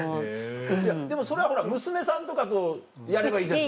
でもそれはほら娘さんとかとやればいいじゃないですか。